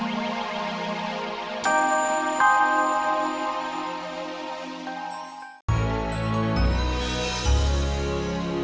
tak berhutang di kemungkinan bayi juga c unlike